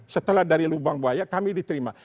setelah dari lubang buaya kami diterima